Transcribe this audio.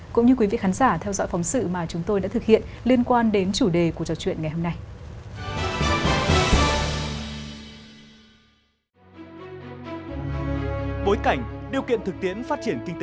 cũng như quý vị khán giả theo dõi phóng sự mà chúng tôi đã thực hiện liên quan đến chủ đề của trò chuyện ngày hôm nay